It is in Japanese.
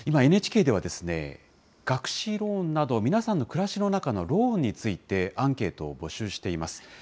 今、ＮＨＫでは学資ローンなど、皆さんの暮らしの中のローンについて、アンケートを募集しています。